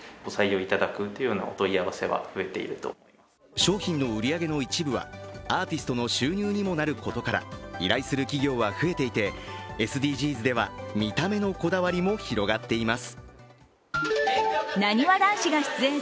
商品の売り上げの一部はアーティストの収入にもなることから依頼する企業は増えていてＳＤＧｓでは見た目のこだわりも広がっています。